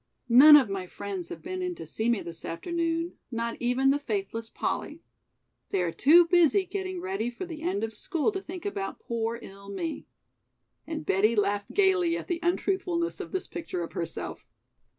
None of my friends have been in to see me this afternoon, not even the faithless Polly! They are too busy getting ready for the end of school to think about poor, ill me." And Betty laughed gayly at the untruthfulness of this picture of herself.